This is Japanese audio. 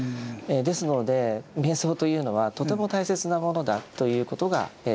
ですので瞑想というのはとても大切なものだと言うことができます。